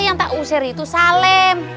yang tak usir itu salem